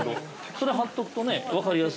それ貼っとくとね、分かりやすい。